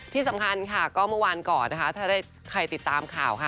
ที่สำคัญค่ะก็เมื่อวานก่อนนะคะถ้าได้ใครติดตามข่าวค่ะ